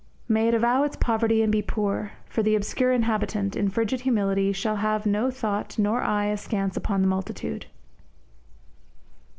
May it avow its poverty and be poor; for the obscure inhabitant, in frigid humility, shall have no thought nor no eye askance upon the multitude.